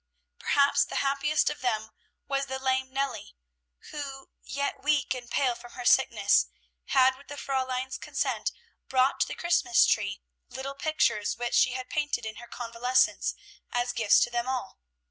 Perhaps the happiest of them was the lame Nellie, who, yet weak and pale from her sickness, had with the Fräulein's consent brought to the Christmas tree little pictures which she had painted in her convalescence, as gifts to them all.